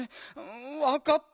わかった。